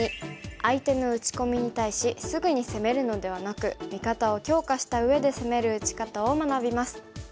相手の打ち込みに対しすぐに攻めるのではなく味方を強化したうえで攻める打ち方を学びます。